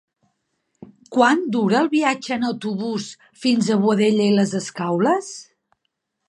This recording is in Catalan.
Quant dura el viatge en autobús fins a Boadella i les Escaules?